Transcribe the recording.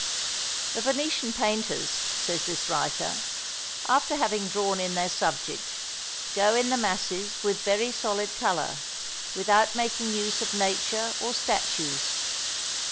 "The Venetian painters," says this writer, "after having drawn in their subject, got in the masses with very solid colour, without making use of nature or statues.